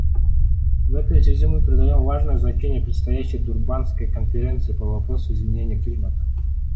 В этой связи мы придаем важное значение предстоящей Дурбанской конференции по вопросу изменения климата.